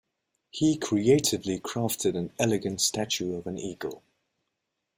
He creatively crafted an elegant statue of an eagle.